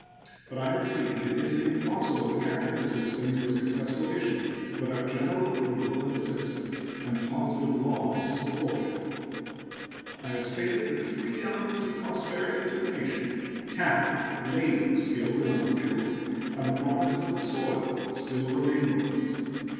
But I repeat that it is impossible to carry this system to a successful issue without general approval and assistance and positive law to support it. I have stated that three elements of prosperity to the nation capital, labor, skilled and unskilled, and products of the soil still remain with us.